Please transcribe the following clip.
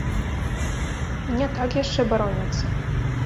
І не так яшчэ бароняцца.